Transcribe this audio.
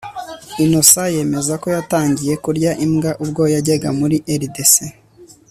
innocent yemeza ko yatangiye kurya imbwa ubwo yajyaga muri rdc